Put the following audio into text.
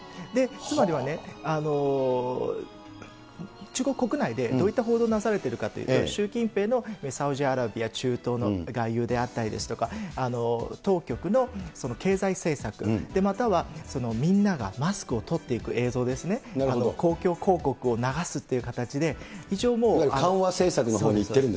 つまりはね、中国国内でどういった報道がなされているかというと、習近平のサウジアラビア、中東の外遊であったりですとか、当局の経済政策、またはみんながマスクを取っていく映像ですね、公共広告を流すっ緩和政策のほうにいってるん